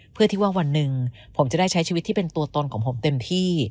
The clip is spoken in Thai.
เพื่อที่ว่าวันหนึ่งผมจะได้ใช้ชีวิตที่เป็นตัวตนของผมเต็มที่